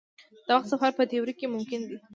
د وخت سفر په تیوري کې ممکن دی.